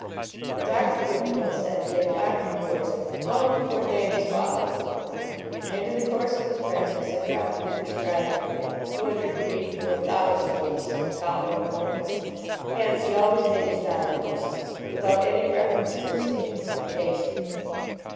But doctor Goodpill said he had doctored boys long before Thanny s father was born, and in the course of his practice had proba bly prescribed for 284,000 cases of cholera morbus, hence he always made his diagnosis without any reference to the Statements of the patient.